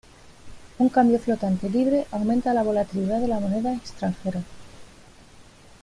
Un cambio flotante libre aumenta la volatilidad de la moneda extranjera.